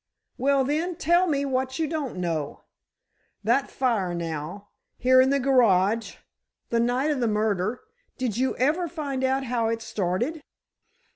"Well, then tell me what you don't know. That fire now, here in the garage, the night of the murder, did you ever find out how it started?"